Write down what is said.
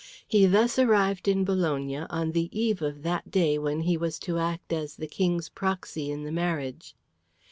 He thus arrived in Bologna on the eve of that day when he was to act as the King's proxy in the marriage.